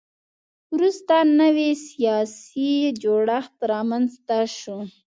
وروسته نوی سیاسي جوړښت رامنځته شو